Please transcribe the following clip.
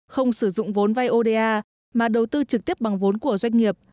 không sử dụng vốn vay oda mà đầu tư trực tiếp bằng vốn của doanh nghiệp